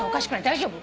大丈夫？